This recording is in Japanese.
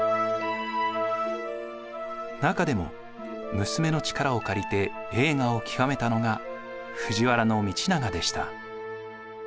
中でも娘の力を借りて栄華を極めたのが藤原道長でした。